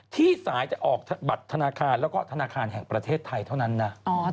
ที่สายจะออกบัตรธนาคารแล้วก็ธนาคารแห่งประเทศไทยเท่านั้นนะ